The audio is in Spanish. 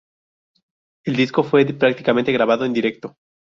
El disco fue prácticamente grabado en directo.